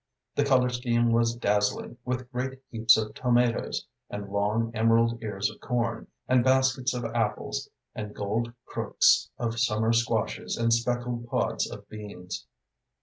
The color scheme was dazzling with great heaps of tomatoes, and long, emerald ears of corn, and baskets of apples, and gold crooks of summer squashes, and speckled pods of beans.